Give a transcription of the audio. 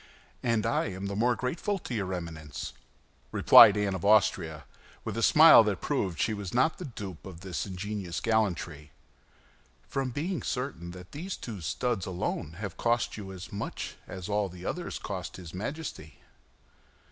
"And I am the more grateful to your Eminence," replied Anne of Austria, with a smile that proved she was not the dupe of this ingenious gallantry, "from being certain that these two studs alone have cost you as much as all the others cost his Majesty."